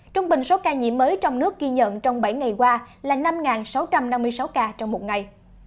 trung bình số ca nhiễm mới trong nước ghi nhận trong bảy ngày qua là năm sáu trăm năm mươi sáu ca trong một ngày